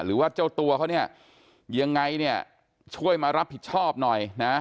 หรือว่าเจ้าตัวเขาเนี่ยยังไงเนี่ยช่วยมารับผิดชอบหน่อยนะ